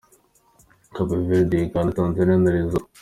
Cape Verde, Uganda, Tanzania na Lesotho.